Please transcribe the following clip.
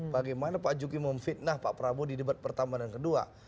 bagaimana pak juki memfitnah pak prabowo di debat pertama dan kedua